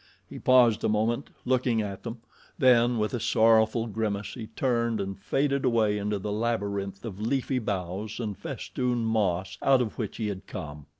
He paused a moment, looking at them; then, with a sorrowful grimace, he turned and faded away into the labyrinth of leafy boughs and festooned moss out of which he had come.